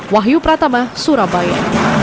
wahyu pratama surabaya